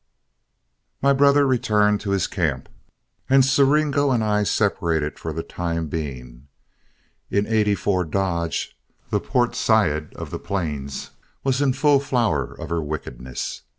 My brother returned to his camp, and Siringo and I separated for the time being. In '84 Dodge, the Port Said of the plains, was in the full flower of her wickedness.